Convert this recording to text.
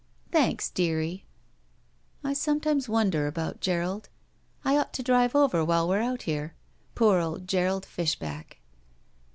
Thanks, dearie." I sometimes wonder about Gerald. I ought to drive over while we're out here. Poor old Gerald Fishback!"